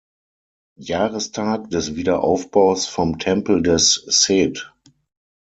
Jahrestag des Wiederaufbaus vom Tempel des Seth.